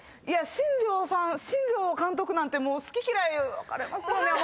新庄さん新庄監督なんて好き嫌い分かれますよね？